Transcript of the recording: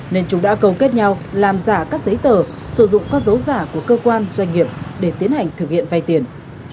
nên chúng đã câu kết nhau làm giả các giấy tờ sử dụng con dấu giả của cơ quan doanh nghiệp để tiến hành thực hiện vay tiền